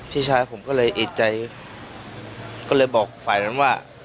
พี่ชายผมก็เลยเอกใจก็เลยบอกฝ่ายนั้นว่า